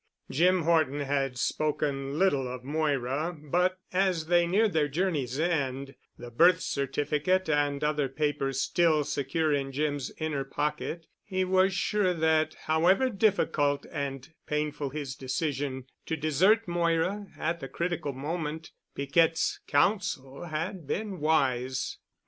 Jim Horton had spoken little of Moira, but as they neared their journey's end, the birth certificate and other papers still secure in Jim's inner pocket, he was sure that however difficult and painful his decision to desert Moira at the critical moment, Piquette's counsel had been wise.